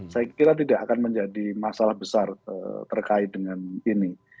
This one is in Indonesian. saya kira tidak akan menjadi masalah besar terkait dengan ini